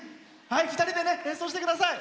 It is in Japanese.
２人で演奏してください。